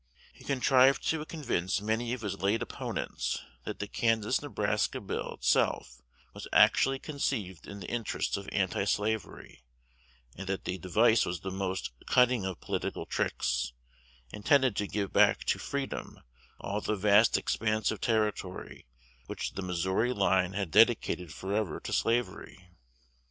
He contrived to convince many of his late opponents that the Kansas Nebraska Bill itself was actually conceived in the interests of antislavery, and that the device was the most cunning of political tricks, intended to give back to "freedom" all the vast expanse of territory which the Missouri line had dedicated forever to slavery.